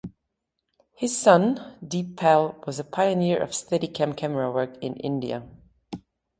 His son, Deep Pal was a pioneer of Steadicam camerawork in India.